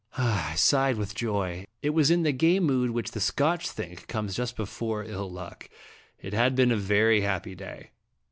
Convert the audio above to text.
I sighed with joy. I was in the gay mood which the Scotch think comes just before ill luck. It had been a very happy day.